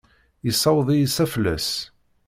Yessaweḍ-iyi s aflas.